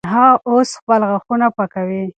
هغه اوس خپل غاښونه پاکوي.